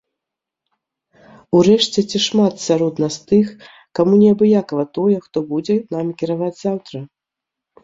Урэшце ці шмат сярод нас тых, каму неабыякава тое, хто будзе намі кіраваць заўтра?